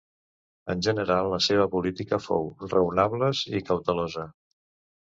En general la seva política fou raonables i cautelosa.